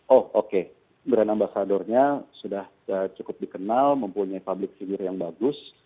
oh oke brand ambasadornya sudah cukup dikenal mempunyai public figure yang bagus